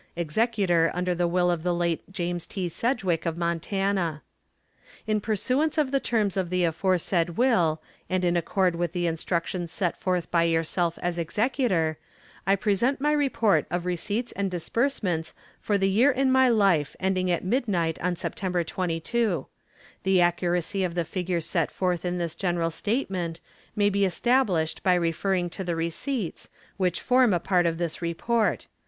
Executor under the will of the late James T. Sedgwick of Montana: In pursuance of the terms of the aforesaid will and in accord with the instructions set forth by yourself as executor, I present my report of receipts and disbursements for the year in my life ending at midnight on Sept. 22. The accuracy of the figures set forth in this general statement may be established by referring to the receipts, which form a part of this report.